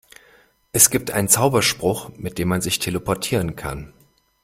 Es gibt einen Zauberspruch, mit dem man sich teleportieren kann.